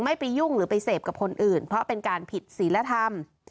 ไม่ไปยุ่งหรือไปเสพกับคนอื่นเพราะเป็นการผิดศิลธรรม